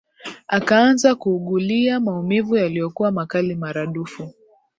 Akaanza kuugulia maumivu yaliyokuwa makali maradufu